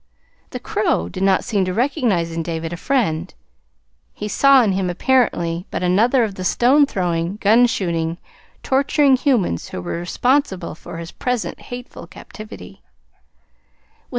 The crow did not seem to recognize in David a friend. He saw in him, apparently, but another of the stone throwing, gun shooting, torturing humans who were responsible for his present hateful captivity.